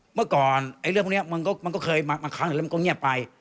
เมื่อก่อนเรื่องพวกนี้มันก็เคยมาครั้งหนึ่งแล้วมันก็เงียบไป